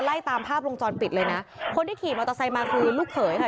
ไล่ตามภาพวงจรปิดเลยนะคนที่ขี่มอเตอร์ไซค์มาคือลูกเขยค่ะ